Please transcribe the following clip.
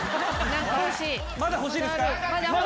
まだ欲しいですか？